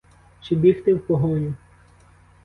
Чи бігти в погоню?